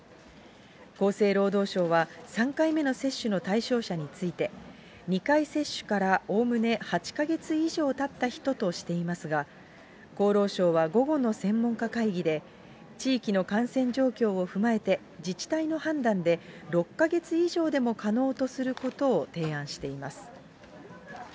厚生労働省は、３回目の接種の対象者について、２回接種からおおむね８か月以上たった人としてますが、厚労省は午後の専門家会議で、地域の感染状況を踏まえて、自治体の判断で６か月以上でも可能とすることを提案しています。